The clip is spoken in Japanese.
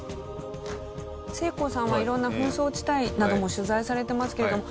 せいこうさんは色んな紛争地帯なども取材されてますけれども。